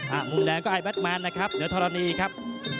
อ่ะมุมแดงก็ไอด์แบทแมนนะครับเดี๋ยวทรณีครับ